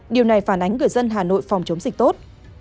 điều này phản ánh người dân hà nội phòng chống dịch tốt